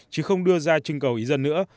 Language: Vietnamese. chứ không đưa ra trưng cầu ý dân nữa